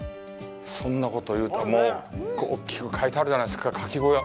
そんなこと言うたら、もう、ここ、大きく書いてあるじゃないですか、「かき小屋」！